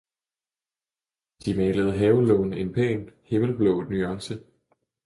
De malede havelågen en pæn, himmelblå nuance.